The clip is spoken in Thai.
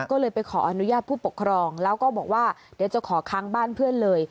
ก็เลยไปขออนุญาตผู้ปกครองแล้วก็บอกว่าเดี๋ยวจะขอค้างบ้านเพื่อนเลย